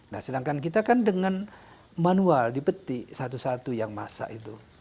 nah sedangkan kita kan dengan manual dipetik satu satu yang masak itu